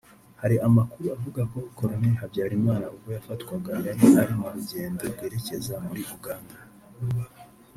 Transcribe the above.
Hari amakuru avuga ko Col Habyarimana ubwo yafatwaga yari ari mu rugendo rwerekeza muri Uganda